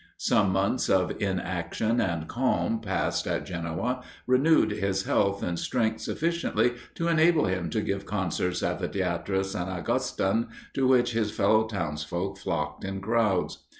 Some months of inaction and calm, passed at Genoa, renewed his health and strength sufficiently to enable him to give concerts at the Theatre Saint Augustin, to which his fellow townsfolk flocked in crowds.